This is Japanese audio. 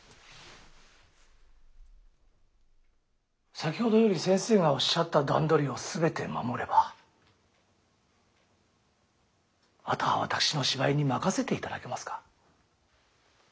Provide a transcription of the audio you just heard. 先ほどより先生がおっしゃった段取りを全て守ればあとは私の芝居に任せていただけますか？